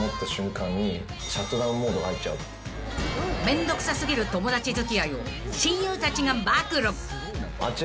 ［めんどくさ過ぎる友達付き合いを親友たちが暴露］